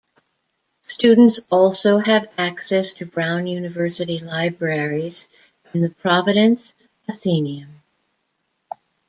Students also have access to Brown University libraries and the Providence Athenaeum.